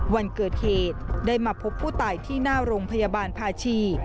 วันเกิดเหตุได้มาพบผู้ตายที่หน้าโรงพยาบาลภาชี